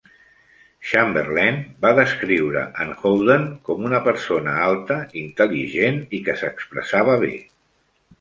Chamberlain va descriure en Holden com una persona alta, intel·ligent i que s"expressava bé.